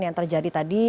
yang terjadi tadi